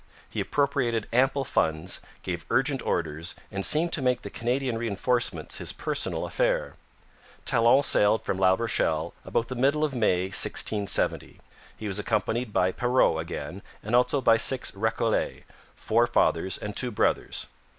He appropriated ample funds, gave urgent orders, and seemed to make the Canadian reinforcements his personal affair. Talon sailed from La Rochelle about the middle of May 1670. He was accompanied by Perrot again, and also by six Recollets, four fathers and two brothers.